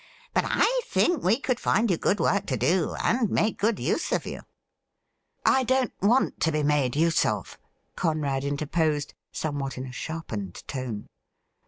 But I think we could find you good work to do, and make good use of you.' ' I don't want to be made use of,' Conrad intei posed, somewhat in a sharpened tone.